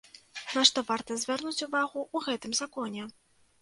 На што варта звярнуць увагу ў гэтым законе?